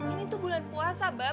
ini tuh bulan puasa mbak